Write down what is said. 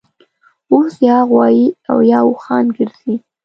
اوس یا غوایي اویا اوښان ګرځي